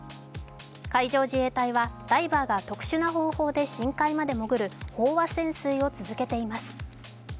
海上自衛隊はダイバーが特殊な頬で深海まで潜る飽和潜水を続けています。